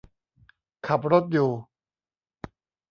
ขับรถอยู่